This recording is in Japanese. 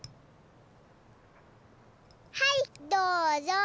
はいどうぞ！